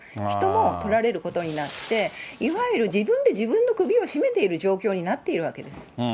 人も取られることになって、いわゆる自分で自分の首を絞めている状況になっているわけです。